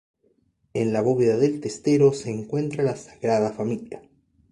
En la bóveda del testero se encuentra la Sagrada Familia.